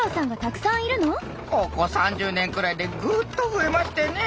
ここ３０年ぐらいでグッと増えましてね。